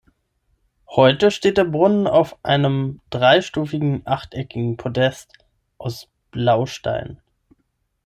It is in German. Heute steht der Brunnen auf einem dreistufigen, achteckigen Podest aus Blaustein.